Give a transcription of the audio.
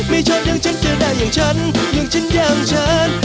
ไม่ชอบอย่างฉันจะได้อย่างฉันอย่างฉันอย่างฉัน